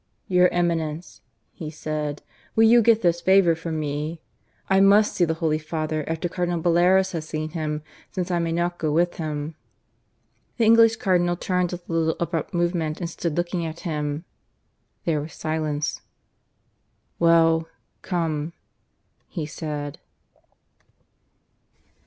"Your Eminence," he said, "will you get this favour for me? I must see the Holy Father after Cardinal Bellairs has seen him, since I may not go with him." The English Cardinal turned with a little abrupt movement and stood looking at him. There was a silence. "Well come," he said.